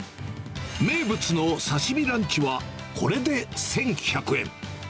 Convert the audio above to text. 名物の刺し身ランチは、これで１１００円。